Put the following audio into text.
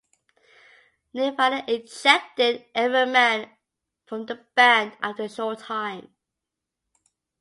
Nirvana ejected Everman from the band after a short time.